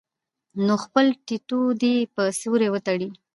نو خپل ټټو دې پۀ سيوري وتړي -